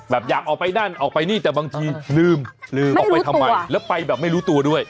อยากออกไปนั่นออกไปนี่แต่บางทีลืมลืมออกไปทำไมแล้วไปแบบไม่รู้ตัวด้วย